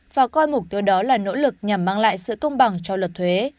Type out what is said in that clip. và coi mục tiêu đó là nỗ lực nhằm mang lại sự công bằng cho luật thuế